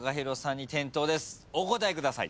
お答えください。